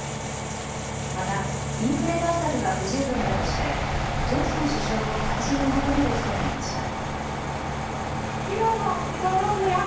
またインフレ対策が不十分だとしてジョンソン首相の退陣を求める人もいました。